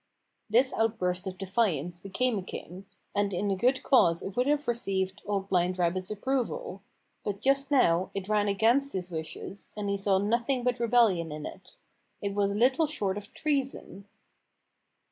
This outburst of defiance became a king, and in a good cause it would have received Old Blind Rabbit's approval; but just now it ran against his wishes, and he saw nothing but rebellion in it. It was little short of treason.